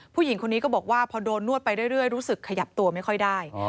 ผู้หญิงคนนี้ก็บอกว่าพอโดนนวดไปเรื่อยรู้สึกขยับตัวไม่ค่อยได้